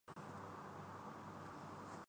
سرکاری دفاتر میں ایم این اے کا فون کام آجا تا ہے۔